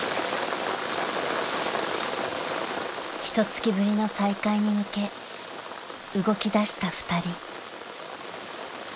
［ひと月ぶりの再開に向け動きだした２人］